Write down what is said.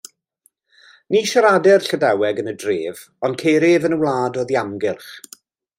Ni siaredir Llydaweg yn y dref, ond ceir ef yn y wlad oddi amgylch.